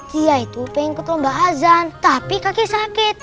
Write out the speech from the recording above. dia itu pengikut lomba azan tapi kaki sakit